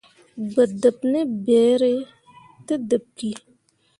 Gbǝ dǝb ne ɓerri te dǝɓ ki.